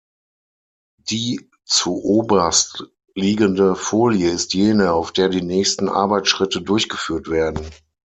Die zuoberst liegende Folie ist jene, auf der die nächsten Arbeitsschritte durchgeführt werden.